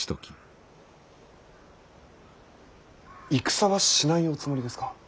戦はしないおつもりですか。